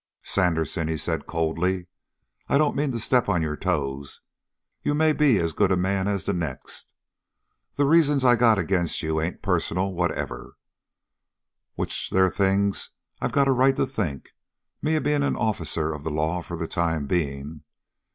"Sandersen," he said coldly, "I don't mean to step on your toes. You may be as good a man as the next. The reasons that I got agin' you ain't personal whatever, which they're things I got a right to think, me being an officer of the law for the time being.